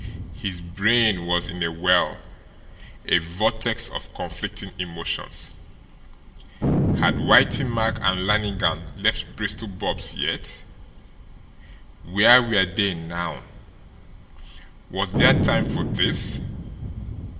His brain was in a whirl, a vortex of conflicting emotions. Had Whitey Mack and Lannigan left Bristol Bob's yet? Where were they now? Was there time for this?